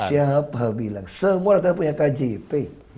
siapa bilang semua rakyat punya kjp